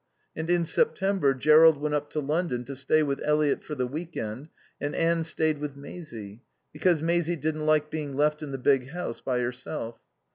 And in September Jerrold went up to London to stay with Eliot for the week end, and Anne stayed with Maisie, because Maisie didn't like being left in the big house by herself.